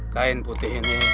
kain putih ini